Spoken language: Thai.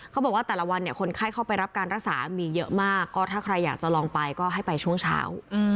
เขาบอกว่าแต่ละวันเนี่ยคนไข้เข้าไปรับการรักษามีเยอะมากก็ถ้าใครอยากจะลองไปก็ให้ไปช่วงเช้า